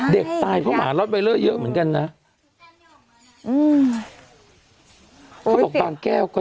เด็กตายเพราะหมารอดไปเรื่อยเยอะเหมือนกันนะอืมโอ้โฮบางแก้วก็